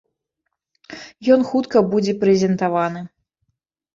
Ён хутка будзе прэзентаваны.